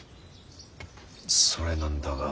それなんだが。